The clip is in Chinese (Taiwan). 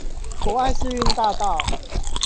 博愛世運大道